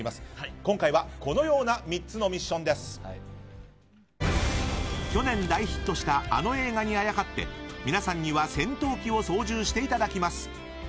今回は去年大ヒットしたあの映画にあやかって皆さんには戦闘機を操縦していただきます。